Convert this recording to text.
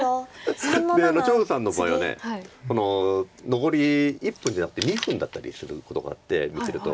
張栩さんの場合は残り１分じゃなくて２分だったりすることがあって見てると。